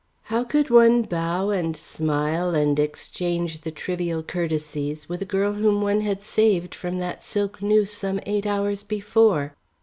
How could one bow and smile and exchange the trivial courtesies with a girl whom one had saved from that silk noose some eight hours before?